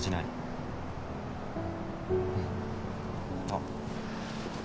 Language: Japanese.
あっ